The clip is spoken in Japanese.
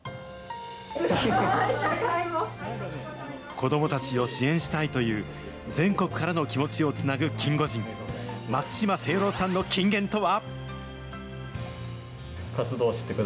子どもたちを支援したいという、全国からの気持ちをつなぐキンゴジン、松島靖朗さんの金言とは。